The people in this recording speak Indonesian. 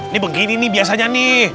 ini begini nih biasanya nih